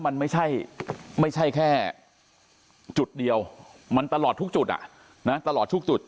มันไม่ใช่แค่จุดเดียวมันตลอดทุกจุดตลอดทุกจุด